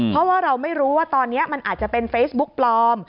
เพราะว่าเราไม่รู้ว่าตอนนี้มันอาจจะเป็นเฟซบุ๊กปลอม